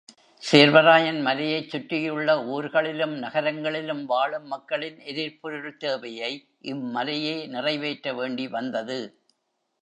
சேர்வராயன் மலையைச் சுற்றியுள்ள ஊர்களிலும் நகரங்களிலும் வாழும் மக்களின் எரிபொருள் தேவையை இம்மலையே நிறைவேற்ற வேண்டிவந்தது.